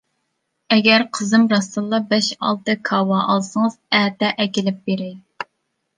ئەگەر قىزىم راستلا بەش-ئالتە كاۋا ئالسىڭىز ئەتە ئەكېلىپ بېرەي.